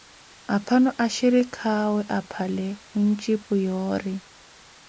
Aphano axhirikha awe apale khuncipu yoori.